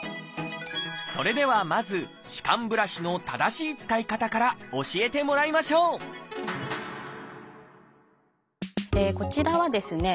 それではまず歯間ブラシの正しい使い方から教えてもらいましょうこちらはですね